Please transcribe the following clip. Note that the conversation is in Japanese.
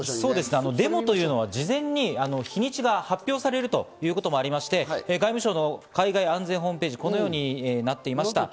デモというのは事前に日にちが発表されるということもありまして、外務省の海外安全ホームページにはこうなっていました。